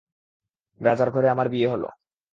রাজার ঘরে আমার বিয়ে হল।